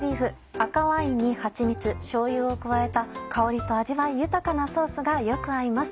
赤ワインにはちみつしょうゆを加えた香りと味わい豊かなソースがよく合います。